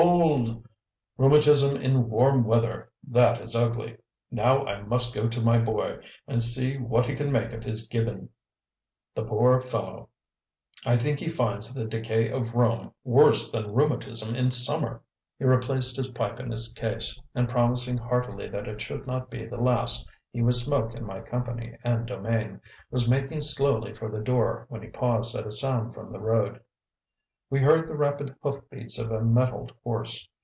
old! Rheumatism in warm weather: that is ugly. Now I must go to my boy and see what he can make of his Gibbon. The poor fellow! I think he finds the decay of Rome worse than rheumatism in summer!" He replaced his pipe in its case, and promising heartily that it should not be the last he would smoke in my company and domain, was making slowly for the door when he paused at a sound from the road. We heard the rapid hoof beats of a mettled horse.